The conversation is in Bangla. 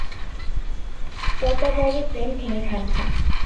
পর্দার বাইরের প্রেম ভেঙে খানখান।